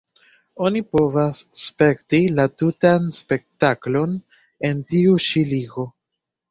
Oni povas spekti la tutan spektaklon en tiu ĉi ligo.